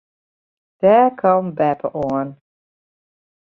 Dêr kaam beppe ek oan.